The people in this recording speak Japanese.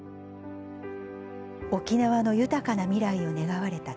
沖縄の豊かな未来を願われた